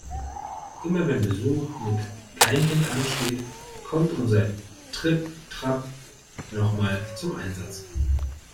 Immer wenn Besuch mit Kleinkind ansteht, kommt unser Tripp-Trapp noch mal zum Einsatz.